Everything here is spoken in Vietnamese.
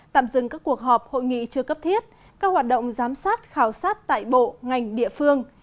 tạm dừng các cuộc họp hội nghị chưa cấp thiết các hoạt động giám sát khảo sát tại bộ ngành địa phương